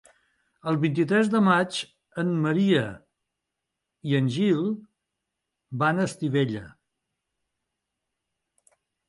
El vint-i-tres de maig en Maria i en Gil van a Estivella.